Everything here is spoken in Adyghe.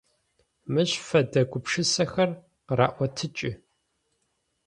Мыщ фэдэ гупшысэхэр къыраӏотыкӏы…